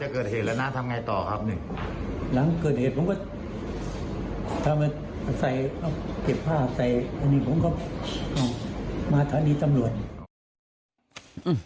หลังเกิดเหตุผมก็ถ้ามันใส่เอาเก็บผ้าใส่อันนี้ผมก็มาทะลีตำหน่วน